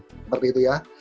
seperti itu ya